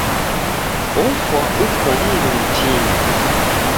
Ofwa uko mndu mtini.